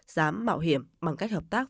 dám mạo hiểm bằng cách hợp tác